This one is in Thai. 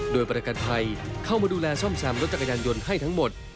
โดยประกันภัยเข้ามาดูแลซ่อมแซมรถจักรยานยนต์ให้ทั้งหมด